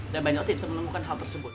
dan banyak orang bisa menemukan hal tersebut